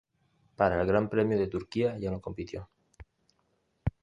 Para el Gran Premio de Turquía ya no compitió.